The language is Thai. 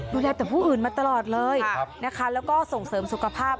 ดูแลแต่ผู้อื่นมาตลอดเลยนะคะแล้วก็ส่งเสริมสุขภาพ